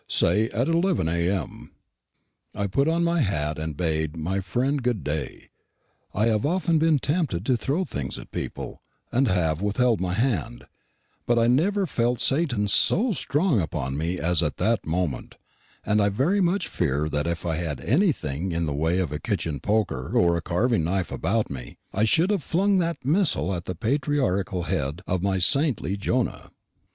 Say at 11 A.M." I put on my hat and bade my friend good day. I have often been tempted to throw things at people, and have withheld my hand; but I never felt Satan so strong upon me as at that moment, and I very much fear that if I had had anything in the way of a kitchen poker or a carving knife about me, I should have flung that missile at the patriarchal head of my saintly Jonah.